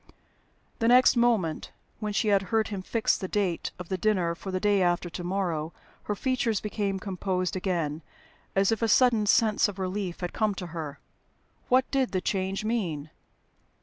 The next moment (when she had heard him fix the date of the dinner for "the day after to morrow") her features became composed again, as if a sudden sense of relief had come to her. What did the change mean?